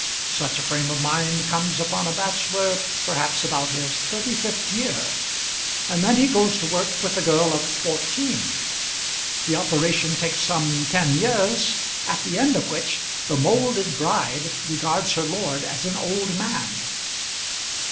Such a frame of mind comes upon a bachelor, perhaps about his thirty fifth year, and then he goes to work with a girl of fourteen. The operation takes some ten years, at the end of which the moulded bride regards her lord as an old man.